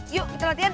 yuk kita latihan